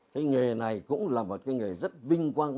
cái nghề này cũng là một cái nghề rất vinh quang